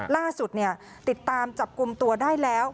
ล่าสุดติดตามจับกลุ่มตัวได้แล้ว